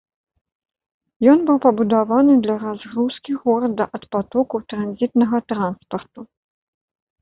Ён быў пабудаваны для разгрузкі горада ад патоку транзітнага транспарту.